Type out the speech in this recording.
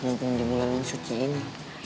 mumpung di bulan suci ini